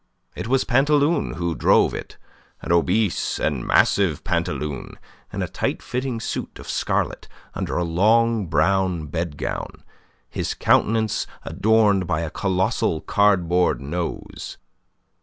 It was Pantaloon who drove it, an obese and massive Pantaloon in a tight fitting suit of scarlet under a long brown bed gown, his countenance adorned by a colossal cardboard nose.